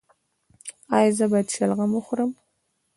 ایا زه باید شلغم وخورم؟